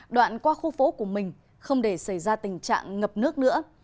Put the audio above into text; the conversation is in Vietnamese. đoạn qua khu phố của mình không để xảy ra tình trạng ngập nước nữa